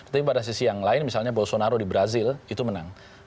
tapi pada sisi yang lain misalnya bolsonaro di brazil itu menang